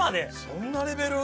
そんなレベル？